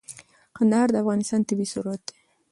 کندهار د افغانستان طبعي ثروت دی.